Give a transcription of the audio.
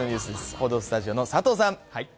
報道スタジオの佐藤さん。